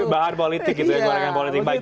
bahan politik gitu ya kewarangan politik iya